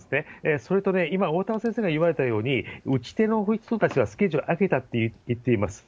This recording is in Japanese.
それと今、おおたわ先生が言われたように、打ち手の人たちはスケジュール空けたっていってます。